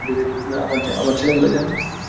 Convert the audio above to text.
আমার ছেলে কোথায় জানো?